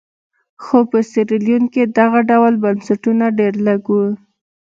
خو په سیریلیون کې دغه ډول بنسټونه ډېر لږ وو.